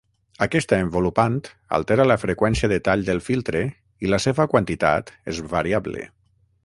Aquesta envolupant altera la freqüència de tall del filtre i la seva quantitat és variable.